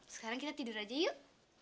sekarang kita tidur aja yuk